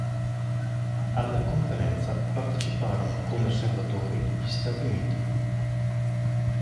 Alla conferenza parteciparono come osservatori gli Stati Uniti.